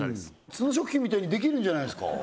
築野食品みたいにできるんじゃないですか？